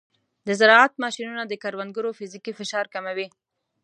د زراعت ماشینونه د کروندګرو فزیکي فشار کموي.